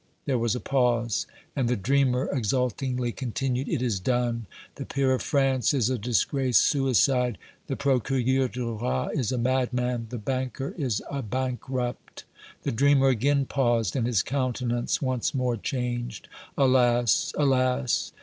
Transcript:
There was a pause, and the dreamer exultingly continued, "It is done! The peer of France is a disgraced suicide! The Procureur du Roi is a madman! The banker is a bankrupt!" The dreamer again paused, and his countenance once more changed. "Alas! alas!